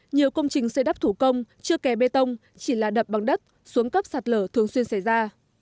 nhiều công trình xây đắp thủ công chưa kè bê tông chỉ là đập bằng đất xuống cấp sạt lở thường xuyên xảy ra